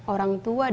orang tua dari